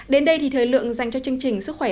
đến đây thì thời lượng danh chóng của bệnh viện ca